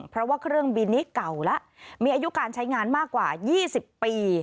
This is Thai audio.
เพราะว่าเครื่องบินนี้เก่าแล้วมีอายุการใช้งานมากกว่า๒๐ปี